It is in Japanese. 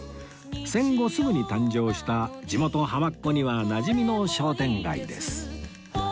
戦後すぐに誕生した地元ハマっ子にはなじみの商店街です